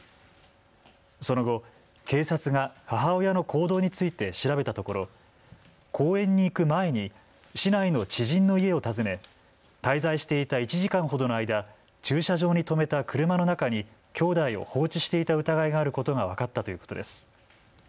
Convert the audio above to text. その後、警察が母親の行動について調べたところ公園に行く前に市内の知人の家を訪ね、滞在していた１時間ほどの間、駐車場に止めた車の中にきょうだいを放置していた疑いがあることが分かったということです。